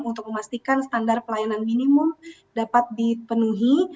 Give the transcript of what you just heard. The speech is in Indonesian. untuk memastikan standar pelayanan minimum dapat dipenuhi